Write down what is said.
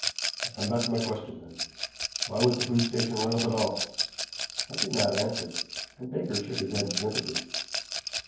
I come back to my question, then: Why was the police station rung up at all?" I did not answer, and Baker shook his head in sympathy.